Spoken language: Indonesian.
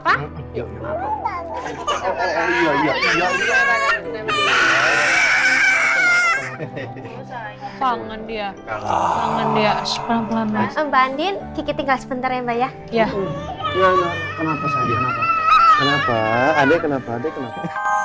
pangan dia kalau dia sepanjang pelan pelan banding tinggal sebentar ya ya kenapa kenapa kenapa kenapa